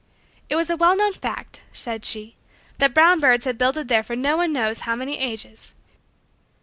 It was a well known fact, said she, that brown birds had builded there for no one knows how many ages.